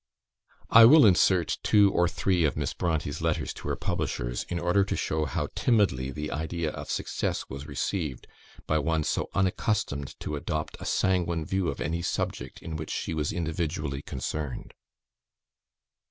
I will insert two or three of Miss Brontë's letters to her publishers, in order to show how timidly the idea of success was received by one so unaccustomed to adopt a sanguine view of any subject in which she was individually concerned.